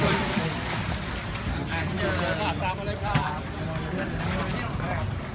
มีออกมารึงเยอะ